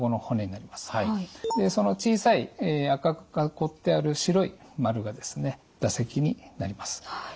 その小さい赤く囲ってある白い丸がですね唾石になります。